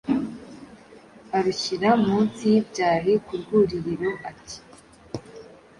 arushyira munsi y’ibyahi ku rwuririro, ati “